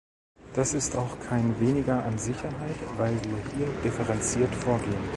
Das ist auch kein Weniger an Sicherheit, weil wir hier differenziert vorgehen.